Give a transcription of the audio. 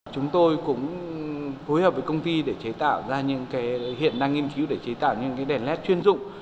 chúng tôi cũng phối hợp với công ty để chế tạo ra những cái hiện đang nghiên cứu để chế tạo những cái đèn led chuyên dụng